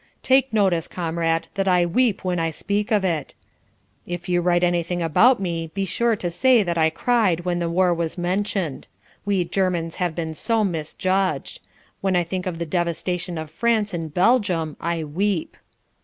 "Take notice, comrade, that I weep when I speak of it. If you write anything about me be sure to say that I cried when the war was mentioned. We Germans have been so misjudged. When I think of the devastation of France and Belgium I weep."